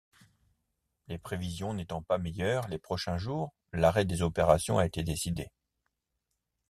Les prévisions n'étant pas meilleures les prochains jours, l'arrêt des opérations a été décidé.